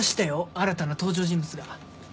新たな登場人物が。